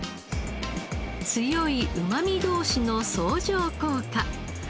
強いうまみ同士の相乗効果。